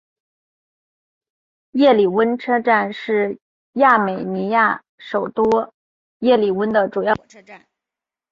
叶里温车站是亚美尼亚首都叶里温的主要火车站。